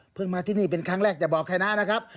มาที่นี่เป็นครั้งแรกจะบอกใครนะนะครับ